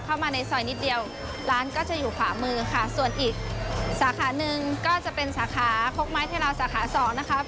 เข้ามาในซอยนิดเดียวร้านก็จะอยู่ขวามือค่ะส่วนอีกสาขาหนึ่งก็จะเป็นสาขาคกไม้เทราวสาขาสองนะครับ